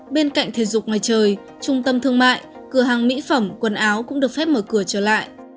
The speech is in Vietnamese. bên cạnh thể dục ngoài trời trung tâm thương mại cửa hàng mỹ phẩm quần áo cũng được phép mở cửa trở lại